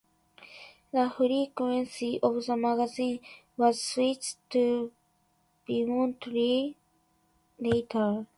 The frequency of the magazine was switched to bimonthly later.